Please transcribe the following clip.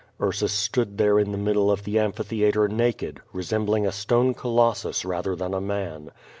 Ursus stood there in the middle of the amphitheatre naked, resembling a stone C olossus rather than a man.